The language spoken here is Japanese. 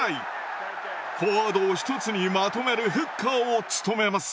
フォワードを一つにまとめるフッカーを務めます。